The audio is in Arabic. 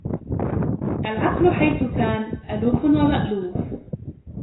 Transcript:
الْعَقْلُ حَيْثُ كَانَ أَلُوفٌ وَمَأْلُوفٌ